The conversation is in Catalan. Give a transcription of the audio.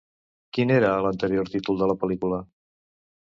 Quin era l'anterior títol de la pel·lícula?